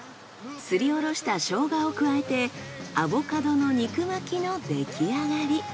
すりおろしたショウガを加えてアボカドの肉巻きの出来上がり。